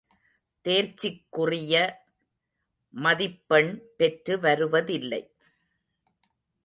தேர்ச்சிக்குறிய மதிப்பெண் பெற்று வருவதில்லை.